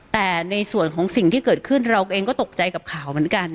แต่ในส่วนของสิ่งที่เกิดขึ้นเราเองก็ตกใจกับข่าวเหมือนกัน